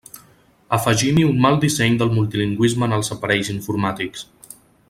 Afegim-hi un mal disseny del multilingüisme en els aparells informàtics.